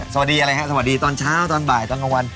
สวัสดีอะไรฮะสวัสดีตอนเช้าตอนบ่ายตอนกลางวัน